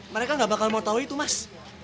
mereka gak bakal mau tau itu mas